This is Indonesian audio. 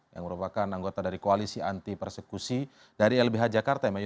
yang merupakan anggota dari koalisi anti persekusi dari lbh jakarta